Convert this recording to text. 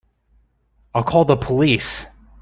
I'll call the police.